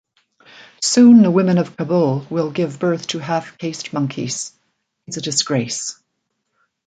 Soon the women of Kabul will give birth to half-caste monkeys-it's a disgrace!